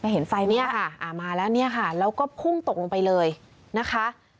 เห็นไฟเนี่ยค่ะอ่ามาแล้วเนี่ยค่ะแล้วก็พุ่งตกลงไปเลยนะคะ